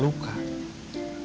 itu bukan karena penikahan